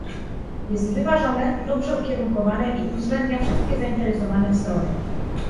Jest wyważone, dobrze ukierunkowane i uwzględnia wszystkie zainteresowane strony